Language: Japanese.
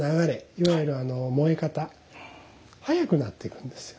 いわゆる燃え方速くなっていくんですよ。